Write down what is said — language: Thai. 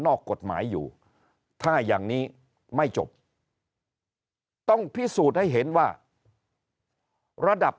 อกกฎหมายอยู่ถ้าอย่างนี้ไม่จบต้องพิสูจน์ให้เห็นว่าระดับ